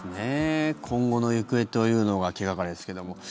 今後の行方というのは気掛かりですけども。